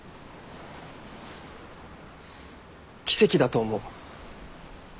奇跡だと思う。